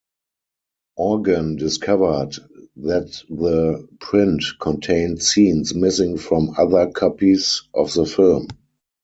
Organ discovered that the print contained scenes missing from other copies of the film.